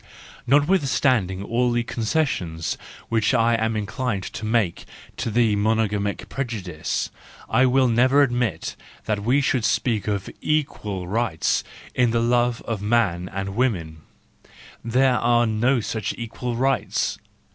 — Notwithstanding all the concessions which I am inclined to make to the monogamic prejudice, 1 will never admit that we should speak of equal rights in the love of man and woman: there are no such equal rights.